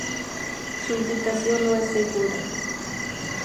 Su ubicación no es segura.